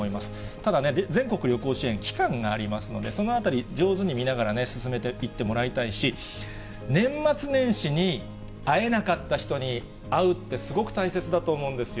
ただね、全国旅行支援、期間がありますので、そのあたり、上手に見ながらね、進めていってもらいたいし、年末年始に会えなかった人に会うって、すごく大切だと思うんですよ。